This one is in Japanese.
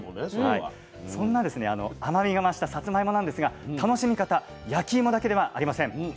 そんな甘みが増したさつまいもなんですが楽しみ方焼きいもだけではありません。